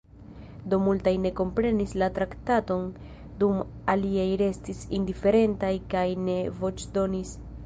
Do multaj ne komprenis la traktaton, dum aliaj restis indiferentaj kaj ne voĉdonis.